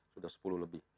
sudah sepuluh lebih